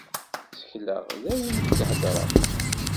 Ttekleɣ, daymi i d-hedreɣ.